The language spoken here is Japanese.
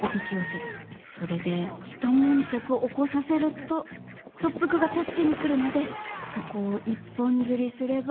それでひと悶着起こさせると特服が助けに来るのでそこを一本釣りすれば。